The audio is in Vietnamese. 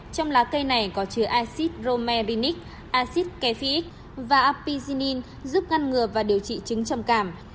trong lá cây này có chứa acid bromelinic acid kefiic và apizinin giúp ngăn ngừa và điều trị trứng trầm cảm